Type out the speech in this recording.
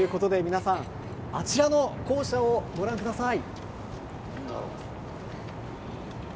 あちらの校舎をご覧ください。